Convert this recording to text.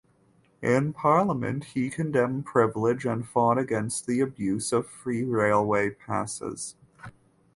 In parliament he condemned privilege and fought against the abuse of free railway passes.